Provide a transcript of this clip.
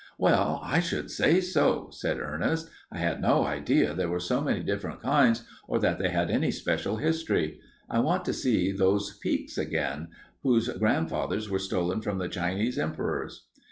"Well, I should say so," said Ernest. "I had no idea there were so many different kinds or that they had any special history. I want to see those Pekes again, whose grandfathers were stolen from the Chinese emperors."